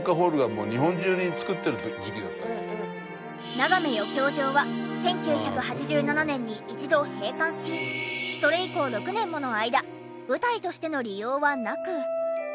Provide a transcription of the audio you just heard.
ながめ余興場は１９８７年に一度閉館しそれ以降６年もの間舞台としての利用はなく。